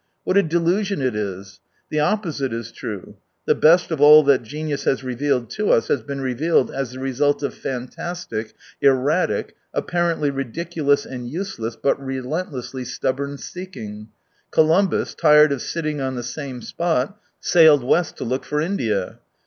What a delusion it is ! The opposite is true. The best of all that genius has revealed to us has been revealed as the result of fantastic, erratic, apparently ridiculous and useless, but relentlessly stubborn seeking. Columbus, tired of sitting on the same spot, sailed west to look for India.